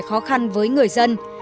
khó khăn với người dân